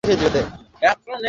কিন্তু মা ফিরে আসেনি।